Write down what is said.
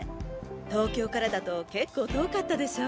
東京からだと結構遠かったでしょ？